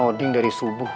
oh ding dari subuh